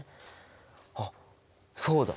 あっそうだ！